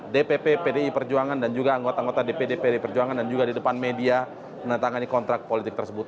dpp pdi perjuangan dan juga anggota anggota dpd pd perjuangan dan juga di depan media menentangani kontrak politik tersebut